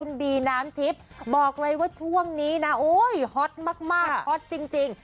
คุณบีน้ำทิพย์บอกเลยว่าช่วงนี้นะโอ้ยฮอตมากฮอตจริง